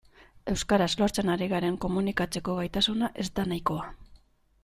Euskaraz lortzen ari garen komunikatzeko gaitasuna ez da nahikoa.